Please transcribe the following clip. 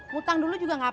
mutang dulu juga gapapa